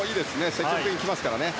積極的に来ていますからね。